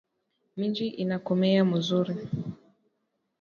Minji ina komeya muzuri